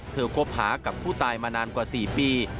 คบหากับผู้ตายมานานกว่า๔ปี